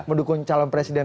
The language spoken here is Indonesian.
mendukung calon presiden